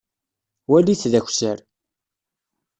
Walit d akessar.